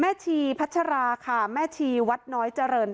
แต่ในคลิปนี้มันก็ยังไม่ชัดนะว่ามีคนอื่นนอกจากเจ๊กั้งกับน้องฟ้าหรือเปล่าเนอะ